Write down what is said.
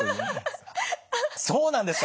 そうなんですか。